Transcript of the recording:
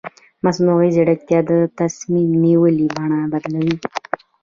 مصنوعي ځیرکتیا د تصمیم نیونې بڼه بدلوي.